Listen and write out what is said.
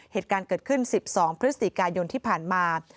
เหตุการณ์เกิดขึ้น๑๒พฤศจิกายนที่ผ่านมา